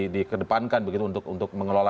di kedepankan begitu untuk mengelola